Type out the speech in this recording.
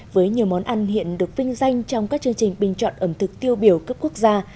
với nhiều món ăn hiện được vinh danh trong các chương trình bình chọn ẩm thực tiêu biểu cấp quốc gia